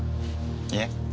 いえ。